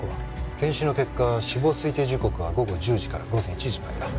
検視の結果死亡推定時刻は午後１０時から午前１時の間。